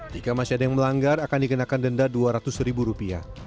jika masih ada yang melanggar akan dikenakan denda rp dua ratus